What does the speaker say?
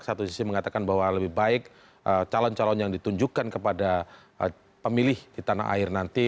satu sisi mengatakan bahwa lebih baik calon calon yang ditunjukkan kepada pemilih di tanah air nanti